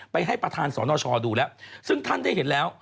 ให้ประธานสนชดูแล้วซึ่งท่านได้เห็นแล้ว